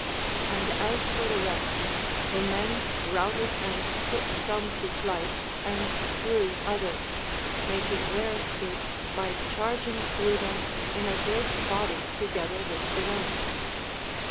And as for the rest, the men routed and put some to flight and slew others, making their escape by charging through them in a great body together with the women.